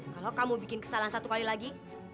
kalau kamu bikin kesalahan satu kali lagi